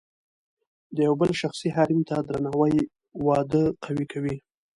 د یو بل شخصي حریم ته درناوی واده قوي کوي.